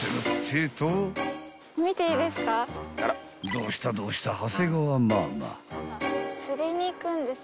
［どうしたどうした長谷川ママ］